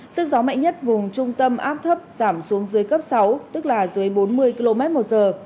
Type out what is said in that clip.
sức gió mạnh nhất vùng trung tâm áp thấp giảm xuống dưới cấp sáu tức là dưới bốn mươi km một giờ